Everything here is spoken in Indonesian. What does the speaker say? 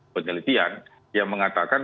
penelitian yang mengatakan